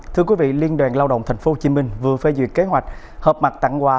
thưa quý vị liên đoàn lao động tp hcm vừa phê duyệt kế hoạch hợp mặt tặng quà